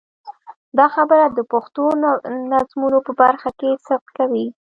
دا خبره د پښتو نظمونو په برخه کې صدق کوي.